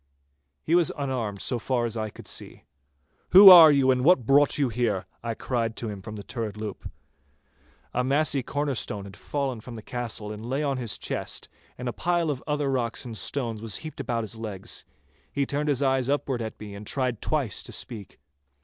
He was unarmed so far as I could see. 'Who are you, and what brought you there?' I cried to him from the turret loop. A massy corner stone fallen from the castle lay on his chest, and a pile of other rocks and stones was heaped about his legs. He turned his eyes upward at me and tried twice to speak.